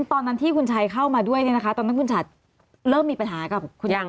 ตอนนั้นที่คุณชัยเข้ามาด้วยเนี่ยนะคะตอนนั้นคุณฉัดเริ่มมีปัญหากับคุณยัง